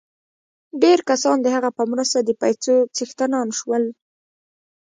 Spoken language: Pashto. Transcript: ډېر کسان د هغه په مرسته د پیسو څښتنان شول